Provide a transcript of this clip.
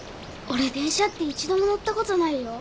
俺電車って一度も乗ったことないよ。